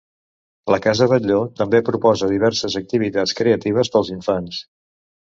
La Casa Batlló també proposa diverses activitats creatives pels infants.